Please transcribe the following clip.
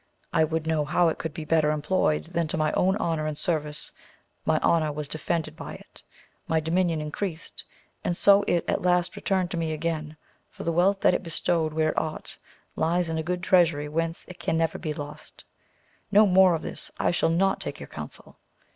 I would know how it could be better employed than to my own honour and service, my honour was defended by it, my dominion increased, and so it at last returned to me again, for the wealth that is bestowed where it ought, lies in a good treasury whence it never can be lost. No more of this ! I shall not take your counsel